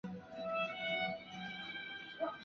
朝日村的一村。